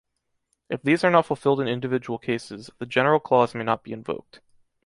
If these are not fulfilled in individual cases, the general clause may not be invoked.